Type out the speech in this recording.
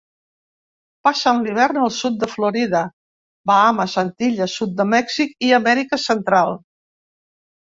Passen l'hivern al sud de Florida, Bahames, Antilles, sud de Mèxic i Amèrica Central.